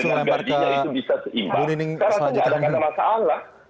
karena itu tidak ada masalah